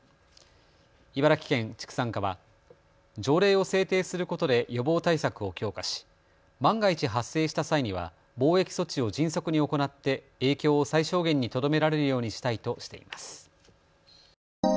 茨城県畜産課は条例を制定することで予防対策を強化し万が一発生した際には防疫措置を迅速に行って影響を最小限にとどめられるようにしたいとしています。